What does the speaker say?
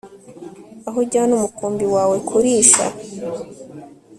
aho ujyana umukumbi wawe kurisha